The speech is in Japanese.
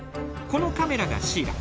このカメラがシイラ。